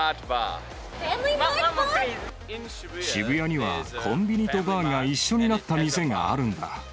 渋谷にはコンビニとバーが一緒になった店があるんだ。